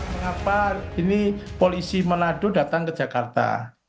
mengapa ini polisi manado datang ke jakarta